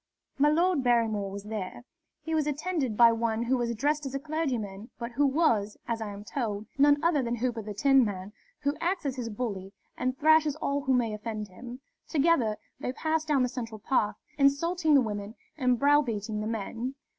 "My Lord Barrymore was there. He was attended by one who was dressed as a clergyman, but who was, as I am told, none other than Hooper the Tinman, who acts as his bully and thrashes all who may offend him. Together they passed down the central path, insulting the women and browbeating the men.